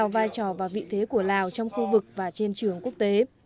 và trên trường quốc tế